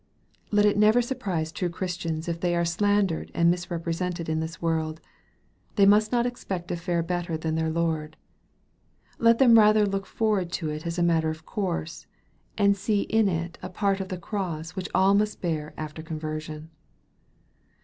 Let it never surprise true Christians if they are slandered and misrepresented in this world. They must not expect to fare better than their Lord. Let them rather look forward to it as a matter of course, and see in it a part of the cross which all must bear after con version.